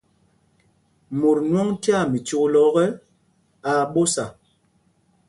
Mot nwɔŋ tyaa mícúkla ɔ́kɛ, aa ɓósa.